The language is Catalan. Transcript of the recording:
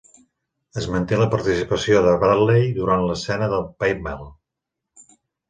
Es manté la participació de Bradley durant l'escena de paintball.